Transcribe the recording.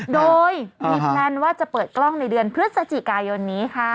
โดยมีแพลนว่าจะเปิดกล้องในเดือนพฤศจิกายนนี้ค่ะ